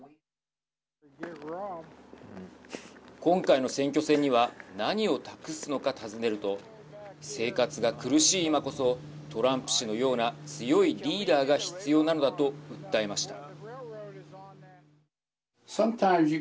今回の選挙戦には何を託すのか尋ねると生活が苦しい今こそトランプ氏のような強いリーダーが必要なんだと訴えました。